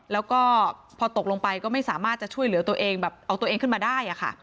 แล้วก็พอตกลงไปก็ไม่สามารถจะช่วยเหลือตัวเองแบบเอาตัวเองขึ้นมาได้